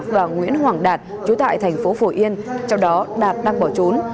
và nguyễn hoàng đạt chú tại thành phố phổ yên trong đó đạt đang bỏ trốn